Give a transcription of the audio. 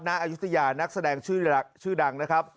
อายุทยานักแสดงชื่อดังนะครับ